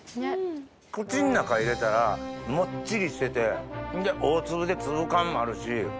口ん中入れたらもっちりしてて大粒で粒感もあるし。